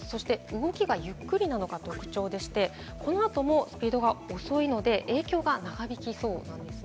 動きがゆっくりなのが特徴でして、この後もスピードが遅いので、影響が長引きそうです。